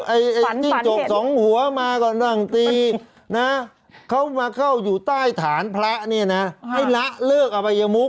ไอ้จิ้งจกสองหัวมาก่อนต่างตีนะเขามาเข้าอยู่ใต้ฐานพระนี่นะไอ้ละเลิกออกไปเยอะมุก